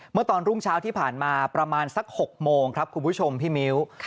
เมื่อตอนรุ่งเช้าที่ผ่านมาประมาณสัก๖โมงครับคุณผู้ชมพี่มิ้ว